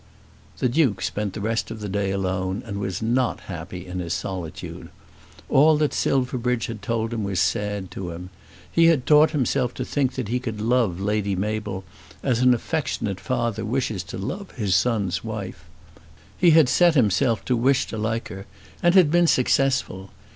The Duke spent the rest of the day alone, and was not happy in his solitude. All that Silverbridge had told him was sad to him. He had taught himself to think that he could love Lady Mabel as an affectionate father wishes to love his son's wife. He had set himself to wish to like her, and had been successful.